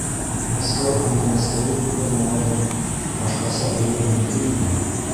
Мәскәү һынлы Мәскәүҙе күргән малайҙың башҡаса булыуы мөмкинме һуң?